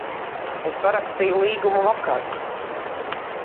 Es parakstīju līgumu vakar.